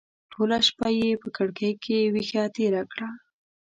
ټوله شپه یې په کړکۍ کې ویښه تېره کړه.